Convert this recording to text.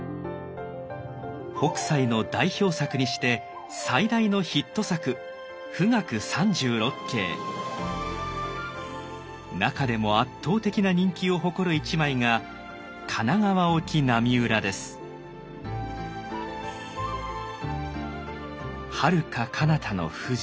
北斎の代表作にして最大のヒット作中でも圧倒的な人気を誇る一枚がはるかかなたの富士。